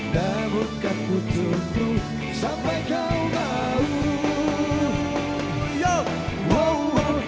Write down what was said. namun kan ku tunggu sampai kau mau